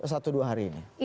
satu dua hari ini